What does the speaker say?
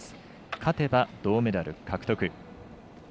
勝てば銅メダル獲得。